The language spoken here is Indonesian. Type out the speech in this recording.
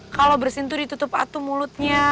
kalau bersin tuh ditutup atuh mulutnya